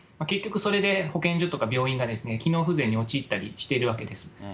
結局それで、保健所とか病院が機能不全に陥ったりしているわけです。